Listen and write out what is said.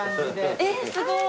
えっすごい！